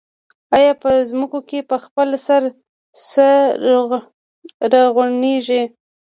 آیا په ځمکو کې په خپل سر څه زرغونېږي